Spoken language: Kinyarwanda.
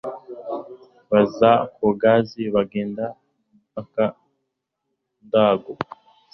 Baza ku Gasi bagenda aka Ndago